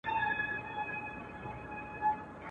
هغه بورا وي همېشه خپله سینه څیرلې.